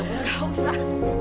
kamu gak usah